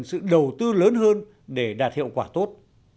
sự đầu tư lớn hơn để đạt hiệu quả tốt